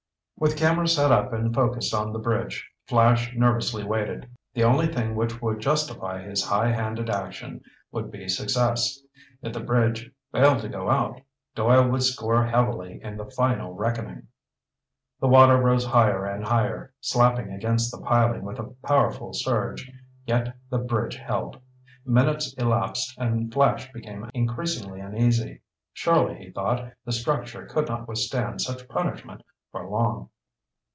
With camera set up and focused on the bridge, Flash nervously waited. The only thing which would justify his high handed action would be success. If the bridge failed to go out, Doyle would score heavily in the final reckoning. The water rose higher and higher, slapping against the piling with a powerful surge. Yet the bridge held. Minutes elapsed and Flash became increasingly uneasy. Surely, he thought, the structure could not withstand such punishment for long.